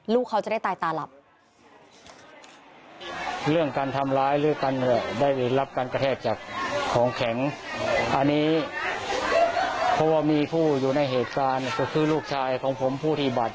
ลูกเขาจะได้ตายตาหลับ